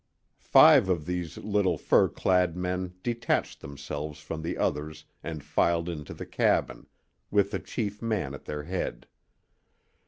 Five of these little fur clad men detached themselves from the others and filed into the cabin, with the chief man at their head.